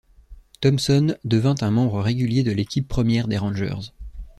Thomson devint un membre régulier de l'équipe première des Rangers.